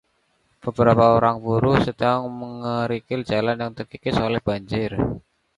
beberapa orang buruh sedang mengerikil jalan yang terkikis oleh banjir